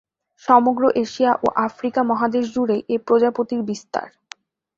সমগ্র এশিয়া ও আফ্রিকা মহাদেশ জুড়েই এই প্রজাপতির বিস্তার।